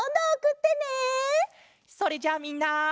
それじゃあみんな。